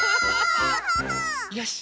よし！